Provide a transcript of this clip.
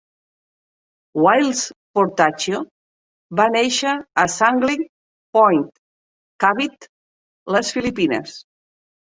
Whilce Portacio va néixer a Sangley Point, Cavite, les Filipines.